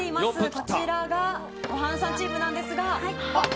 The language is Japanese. こちらがごはんさんチームなんですが。